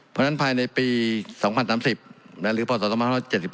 เพราะฉะนั้นภายในปีสองพันสามสิบหรือภาคสตรสี่สิบ